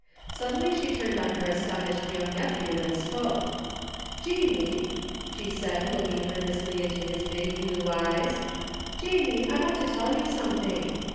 Suddenly she turned on her astonished young nephew and spoke :" Jamie," she said looking earnestly into his big, blue eyes, " Jamie, I want to tell you something.